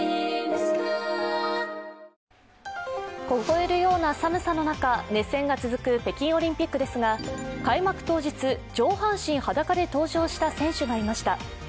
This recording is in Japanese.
凍えるような寒さの中、熱戦が続く北京オリンピックですが開幕当日、上半身裸で登場した選手がいました。